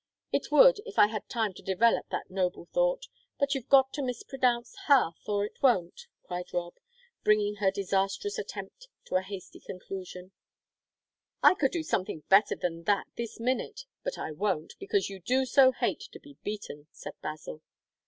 It would, if I had time to develop that noble thought but you've got to mispronounce hearth or it won't!" cried Rob, bringing her disastrous attempt to a hasty conclusion. "I could do something better than that this minute, but I won't, because you do so hate to be beaten," said Basil.